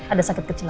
ada sakit kecil